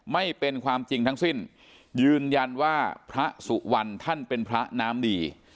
ไม่เป็นความจริงทั้งสิ้นยืนยันว่าพระสุวรรณท่านเป็นพระน้ำดี